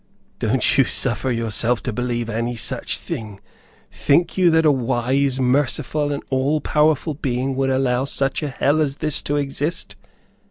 Don't you suffer yourself to believe any such thing. Think you that a wise, merciful, and all powerful being would allow such a hell as this to exist?